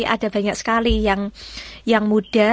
ada banyak sekali yang muda